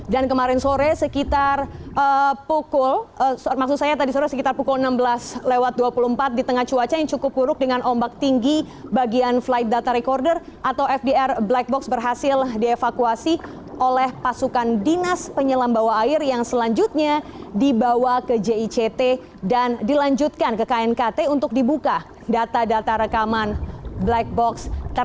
dan kemarin sore sekitar pukul enam belas dua puluh empat di tengah cuaca yang cukup buruk dengan ombak tinggi bagian flight data recorder atau fdr black box berhasil dievakuasi oleh pasukan dinas penyelam bawah air yang selanjutnya dibawa ke jict dan dilanjutkan ke knkt untuk dibuka data data rekaman black box